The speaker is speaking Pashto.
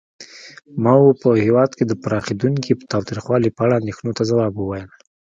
ماوو په هېواد کې د پراخېدونکي تاوتریخوالي په اړه اندېښنو ته ځواب وویل.